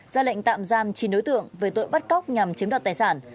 ra lệnh tạm giam chín đối tượng về tội bắt cóc nhằm chiếm đoạt tài sản